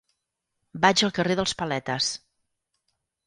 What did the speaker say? Vaig al carrer dels Paletes.